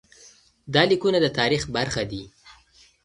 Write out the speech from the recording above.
دا لیکونه د تاریخ برخه دي.